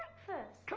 そう！